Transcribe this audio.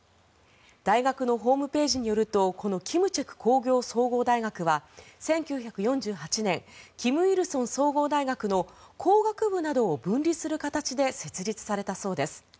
大学のホームページによるとこの金策工業総合大学は１９４８年、金日成総合大学の工学部などを分離する形で設立されたそうです。